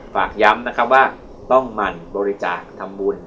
ฝากย้ำนะครับว่าต้องหมั่นบริจาคทำบุญ